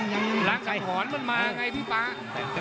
ต้องออกครับอาวุธต้องขยันด้วย